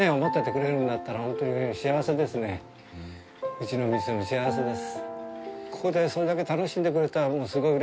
うちの店も幸せです。